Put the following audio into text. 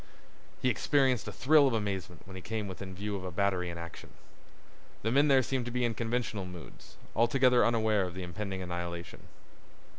He experienced a thrill of amazement when he came within view of a battery in action. The men there seemed to be in conventional moods, altogether unaware of the impending annihilation.